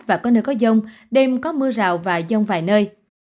và có nơi có dông đêm có mưa rào và rông vài nơi